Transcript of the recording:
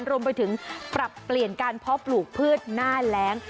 รวมไปถึงปรับเปลี่ยนการเพาะปลูกพืชหน้าแรง